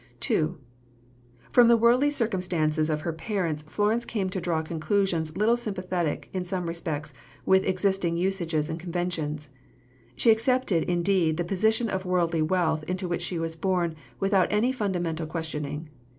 II From the worldly circumstances of her parents Florence came to draw conclusions little sympathetic, in some respects, with existing usages and conventions. She accepted, indeed, the position of worldly wealth into which she was born without any fundamental questioning.